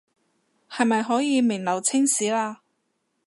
是咪可以名留青史了